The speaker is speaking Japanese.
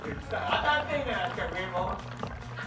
当たってるじゃないですか上も。